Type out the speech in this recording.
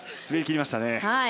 滑り切りましたね。